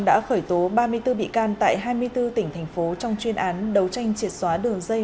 đã khởi tố ba mươi bốn bị can tại hai mươi bốn tỉnh thành phố trong chuyên án đấu tranh triệt xóa đường dây